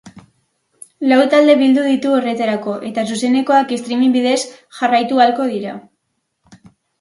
Lau talde bildu ditu horretarako, eta zuzenekoak streaming bidez jarraitu ahalko dira.